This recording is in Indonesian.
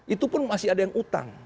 itu pun masih ada yang utang